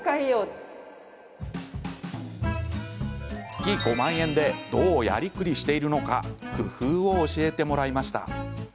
月５万円でどうやりくりしているのか工夫を教えてもらいました。